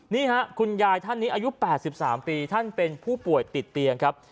นี่ค่ะคุณยายท่านนี้อายุ๘๓ปีท่านเป็นผู้ป่วยติดเตียงครับ